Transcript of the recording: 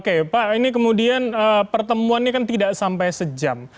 oke pak ini kemudian pertemuannya kan tidak sampai sejam